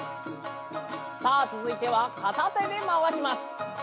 さあ続いては片手で回します。